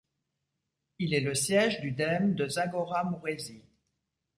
Il est le siège du dème de Zagora-Mouresi.